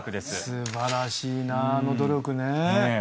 素晴らしいなあの努力ね。